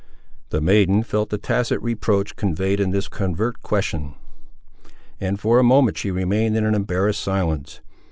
The maiden felt the tacit reproach conveyed in this covert question, and for a moment she remained in an embarrassed silence.